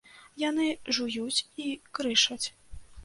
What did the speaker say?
Яны жуюць і крышаць.